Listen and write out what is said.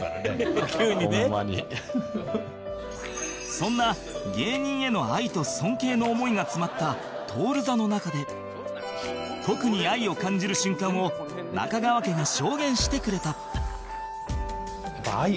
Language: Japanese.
そんな芸人への愛と尊敬の思いが詰まった徹座の中で特に愛を感じる瞬間を中川家が証言してくれた